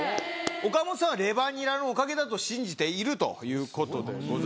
岡本さんはレバニラのおかげだと信じているということです。